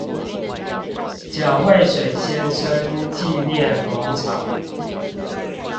蔣渭水先生紀念廣場